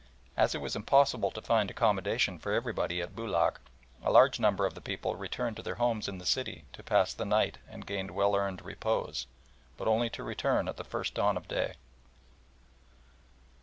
As it was impossible to find accommodation for everybody at Boulac, a large number of the people returned to their homes in the city to pass the night and gain well earned repose, but only to return at the first dawn of day.